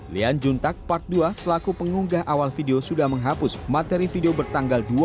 lian juntak part dua selaku pengunggah awal video sudah menghapus materi video bertanggal dua puluh dua agustus itu